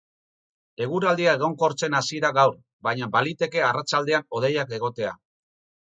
Eguraldia egonkortzen hasi da gaur, baina baliteke arratsaldean hodeiak egotea.